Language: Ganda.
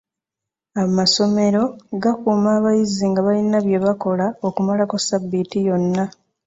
Amassomero gakuuma abayizi nga balina bye bakola okumalako ssabbiiti yonna.